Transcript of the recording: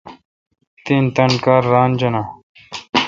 تین تان کار ران جانہ۔